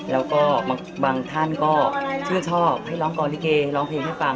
แล้วก็บางท่านก็ชื่นชอบให้ร้องกองลิเกร้องเพลงให้ฟัง